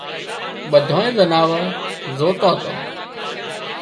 ٻڌانئي زناور زوتان تان